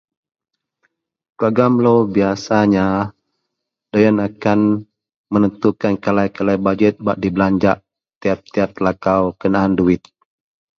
Keluarga melo biasanya doyen akan menentukan kalai-kalai budget bak dibelanjak tiap-tiap lakau kenaan duwit.